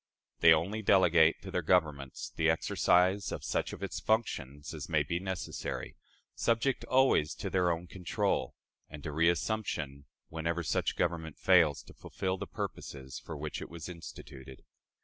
They only delegate to their governments the exercise of such of its functions as may be necessary, subject always to their own control, and to reassumption whenever such government fails to fulfill the purposes for which it was instituted.